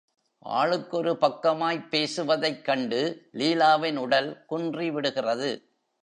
ஆளுக்கொரு பக்கமாய்ப் பேசுவதைக்கண்டு லீலாவின் உடல் குன்றிவிடுகிறது.